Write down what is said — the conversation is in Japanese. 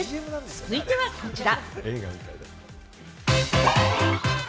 続いては、こちら。